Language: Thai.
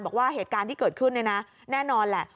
บอกว่าเหตุการณ์ที่เกิดขึ้นเนี่ยนะแน่นอนแหละ